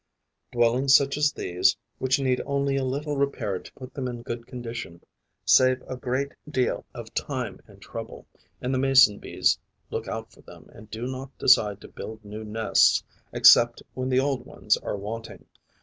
Dwellings such as these, which need only a little repair to put them in good condition, save a great deal of time and trouble; and the Mason bees look out for them and do not decide to build new nests except when the old ones are wanting.